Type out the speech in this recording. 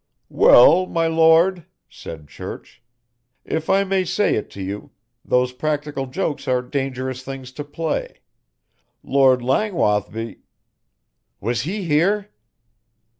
"Well, my Lord," said Church, "if I may say it to you, those practical jokes are dangerous things to play Lord Langwathby " "Was he here?"